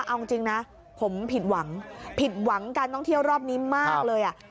เอาจริงนะผมผิดหวังผิดหวังการท่องเที่ยวรอบนี้มากเลย